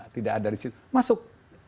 tidak ada disitu masuk